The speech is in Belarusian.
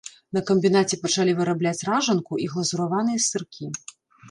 На камбінаце пачалі вырабляць ражанку і глазураваныя сыркі.